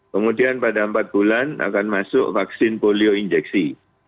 kemudian pada empat bulan akan masuk vaksin polio injeksi